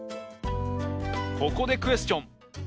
ここでクエスチョン。